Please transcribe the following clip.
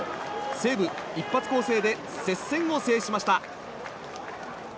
西武、一発攻勢で接戦を制しました。